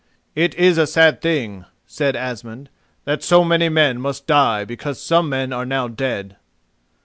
"It is a sad thing," said Asmund, "that so many men must die because some men are now dead."